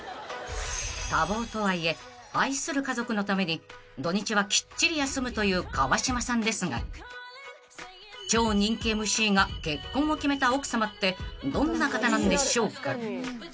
［多忙とはいえ愛する家族のために土日はきっちり休むという川島さんですが超人気ＭＣが結婚を決めた奥さまってどんな方なんでしょうか？］